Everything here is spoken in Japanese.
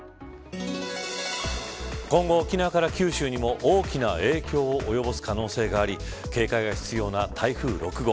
今後、沖縄から九州にも大きな影響を及ぼす可能性があり警戒が必要な台風６号。